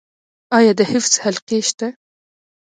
آیا د حفظ حلقې شته؟